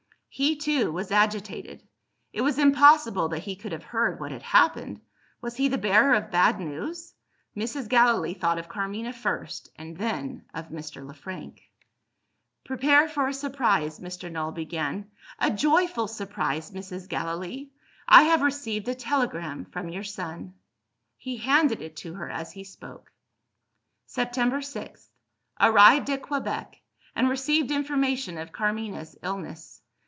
He, too, was agitated. It was impossible that he could have heard what had happened. Was he the bearer of bad news? Mrs. Gallilee thought of Carmina first, and then of Mr. Le Frank. "Prepare for a surprise," Mr. Null began, "a joyful surprise, Mrs. Gallilee! I have received a telegram from your son." He handed it to her as he spoke. "September 6th. Arrived at Quebec, and received information of Carmina's illness.